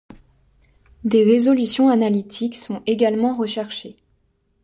Des résolutions analytiques sont également recherchées.